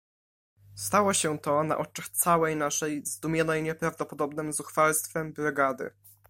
"Stało się to na oczach całej naszej, zdumionej nieprawdopodobnem zuchwalstwem brygady."